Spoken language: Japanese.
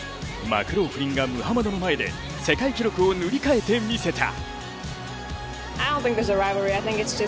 マクローフリンがムハマドの前で世界記録を塗り替えてみせた。